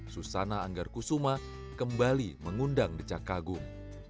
susana anggar kusuma kembali mengundang decak kagum